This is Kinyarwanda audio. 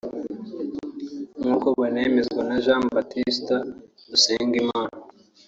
nk’uko binemezwa na Jean Baptiste Dusengimana